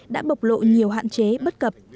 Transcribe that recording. đã bộc lộ nhiều hạn chế bất cập